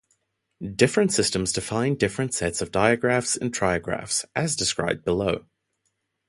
Different systems define different sets of digraphs and trigraphs, as described below.